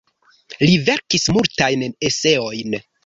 Li verkis multajn eseojn.